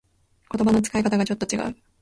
言葉の使い方がちょっと違う